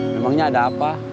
memangnya ada apa